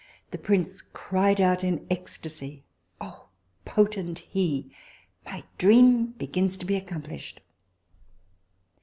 The prince cried out in extasy, Oh! potent Hih! my dream begins to be accomplished.